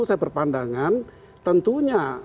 saya berpandangan tentunya